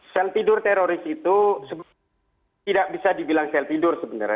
sel tidur teroris itu tidak bisa dibilang sel tidur sebenarnya